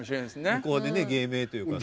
向こうでね芸名というか。